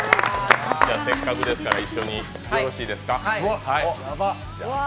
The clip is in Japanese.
せっかくですから、一緒によろしいですか。